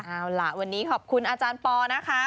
เอาล่ะวันนี้ขอบคุณอาจารย์ปอนะคะ